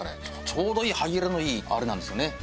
ちょうどいい歯切れのいいあれなんですよね。